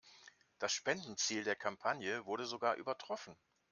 Das Spendenziel der Kampagne wurde sogar übertroffen.